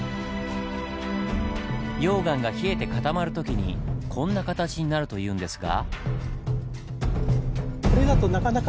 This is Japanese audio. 溶岩が冷えて固まる時にこんな形になるというんですが。